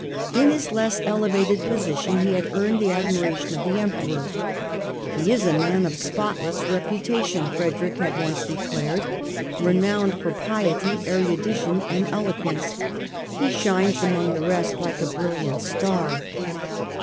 In his less elevated position he had earned the admiration of the Emperor. " He is a man of spotless reputation," Frederick had once declared, " renowned for piety, erudition and eloquence. He shines among the rest like a brilliant star."